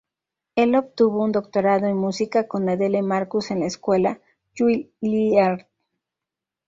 El obtuvo un Doctorado en Música con Adele Marcus en la Escuela Juilliard.